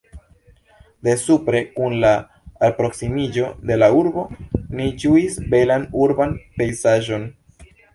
De supre, kun la alproksimiĝo de la urbo ni ĝuis belan urban pejzaĝon.